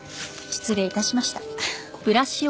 失礼致しました。